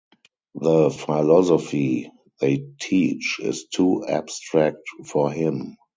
The philosophy they teach is too abstract for him.